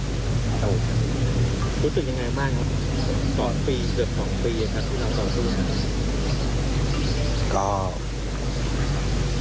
ของลี่เลยครับเครื่องสู้นี้